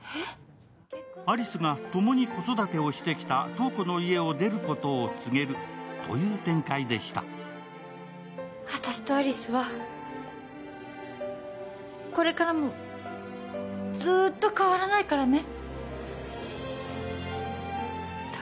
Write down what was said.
有栖がともに子育てをしてきた瞳子の家を出ることを告げるという展開でした私と有栖はこれからもずーっと変わらないからね。